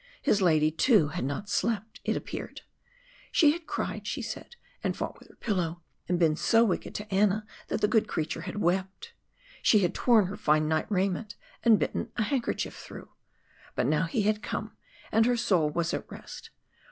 His lady, too, had not slept, it appeared. She had cried, she said, and fought with her pillow, and been so wicked to Anna that the good creature had wept. She had torn her fine night raiment, and bitten a handkerchief through! But now he had come, and her soul was at rest.